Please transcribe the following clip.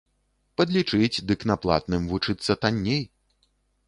Падлічыць, дык на платным вучыцца танней.